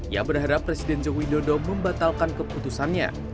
ia berharap presiden joko widodo membatalkan keputusannya